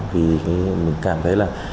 vì mình cảm thấy là